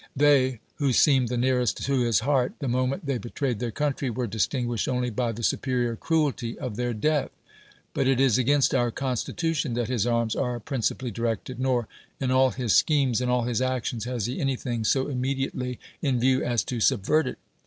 They who seemed the nearest to his heart, the moment they bc'trayed their country we' ;; distinguishixl only by the superior cruelty of their death. I'^ut it is against our constitution that his arms are 7)rincipally directed; nor. in all his schemes, in all his acti< )ns, has he anything so immediate^ ly in view as to subveii it.